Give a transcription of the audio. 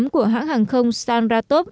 của hãng hàng không sanratop